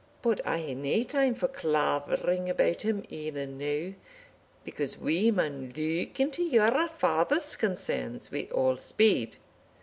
But I hae nae time for clavering about him e'en now, because we maun look into your father's concerns wi' all speed."